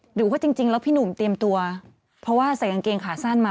หรือว่าจริงแล้วพี่หนุ่มเตรียมตัวเพราะว่าใส่กางเกงขาสั้นมา